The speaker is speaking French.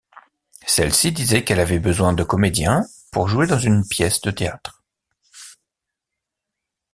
Celle-ci disait qu'elle avait besoin de comédiens pour jouer dans une pièce de théâtre.